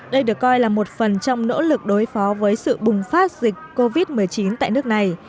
đây được coi là một phần trong nỗ lực đối phó với sự bùng phát dịch covid một mươi chín tại nước này